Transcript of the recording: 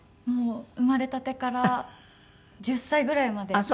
もう生まれたてから１０歳ぐらいまで。